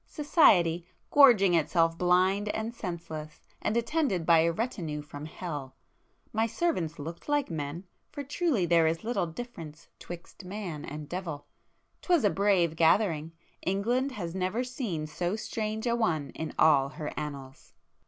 —Society, gorging itself blind and senseless, and attended by a retinue from Hell! My servants looked like men!—for truly there is little difference 'twixt man and devil! 'Twas a brave gathering!—England has never seen so strange a one in all her annals!"